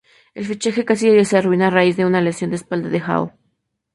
El fichaje casi se arruina a raíz de una lesión de espalda de Joao.